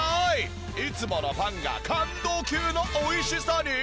いつものパンが感動級の美味しさに！